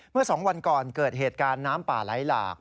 เมื่อ๒วันก่อนเกิดเหตุการณ์น้ำป่าไหลหลาก